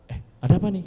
eh ada apa ini